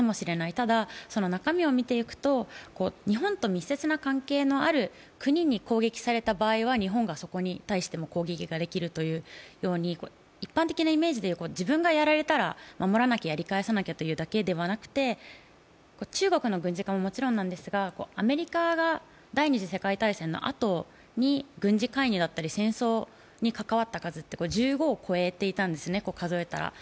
ただ、中身を見ていくと、日本と密接な関係のある国に攻撃された場合は日本はそこに対しても攻撃ができるというように一般的なイメージでいうと、自分がやられたら守らなきゃ、やり返さなきゃということで中国の軍事化も、もちろんなんですがアメリカが第二次世界大戦のあとに戦争に関わった数って１５を超えていたんですね、数えたら。